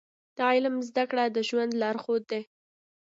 د علم زده کړه د ژوند لارښود دی.